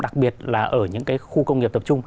đặc biệt là ở những cái khu công nghiệp tập trung